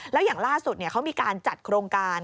แล้วอย่างล่าสุดเขามีการจัดโครงการ